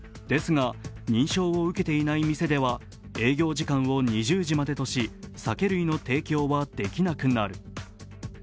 ですが、認証を受けていない店では営業時間を２０時までとし、酒類の提供はできなくなる。